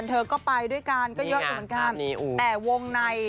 สุงคราก็จะไป